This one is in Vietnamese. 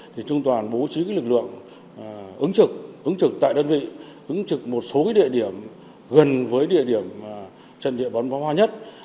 thì trung đoàn bố trí lực lượng ứng trực ứng trực tại đơn vị ứng trực một số địa điểm gần với địa điểm trận địa bắn phá hoa nhất